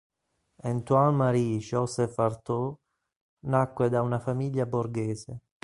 Antoine Marie Joseph Artaud nacque da una famiglia borghese.